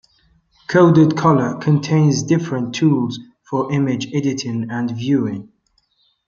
CodedColor contains different tools for image editing and viewing.